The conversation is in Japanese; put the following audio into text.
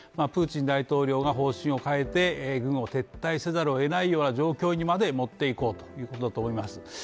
プーチン大統領が方針を変えて、軍を撤退せざるをえないような状況にまで持って行こうということだと思います。